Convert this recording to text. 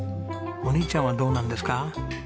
お兄ちゃんはどうなんですか？